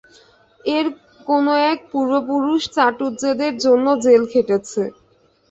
এর কোনো এক পূর্বপুরুষ চাটুজ্যেদের জন্যে জেল খেটেছে।